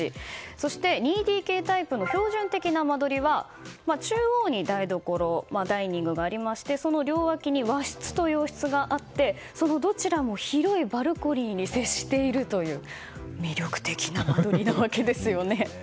そして、２ＤＫタイプの標準的な間取りは中央にダイニングがありましてその両脇に和室と洋室があってそのどちらも、広いバルコニーに接しているという魅力的な間取りなわけですよね。